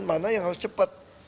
mana yang harus cepat